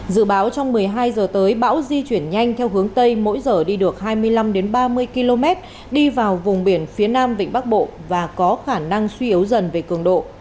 dự báo trong một mươi hai h tới bão di chuyển nhanh theo hướng tây mỗi giờ đi được hai mươi năm ba mươi km đi vào vùng biển phía nam vịnh bắc bộ và có khả năng suy yếu dần về cường độ